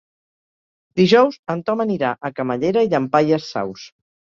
Dijous en Tom anirà a Camallera i Llampaies Saus.